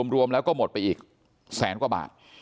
รวมแล้วก็หมดไปอีกแสนกว่าบาท